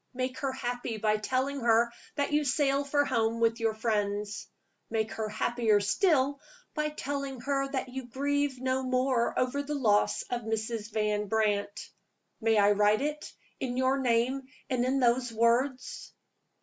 Make her happy by telling her that you sail for home with your friends. Make her happier still by telling her that you grieve no more over the loss of Mrs. Van Brandt. May I write it, in your name and in those words?"